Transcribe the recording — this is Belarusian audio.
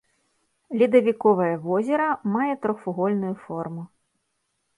Ледавіковае возера, мае трохвугольную форму.